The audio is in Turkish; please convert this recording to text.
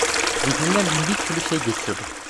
Zihnimden bin bir türlü şey geçiyordu.